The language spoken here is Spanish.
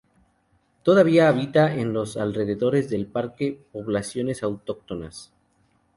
Todavía habitan en los alrededores del parque poblaciones autóctonas.